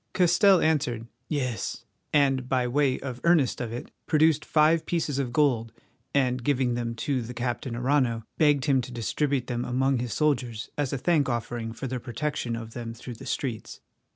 Castell answered, "Yes," and, by way of earnest of it, produced five pieces of gold, and giving them to the Captain Arrano, begged him to distribute them among his soldiers as a thankoffering for their protection of them through the streets.